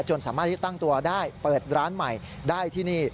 สามารถที่ตั้งตัวได้เปิดร้านใหม่ได้ที่นี่